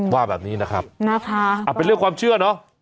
ว่าแบบนี้นะครับนะคะเป็นเรื่องความเชื่อเนอะ